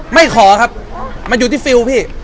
ไม่ขอครับมันอยู่ที่ฟิลล์พี่